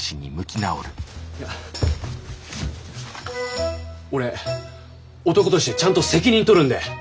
いや俺男としてちゃんと責任取るんで。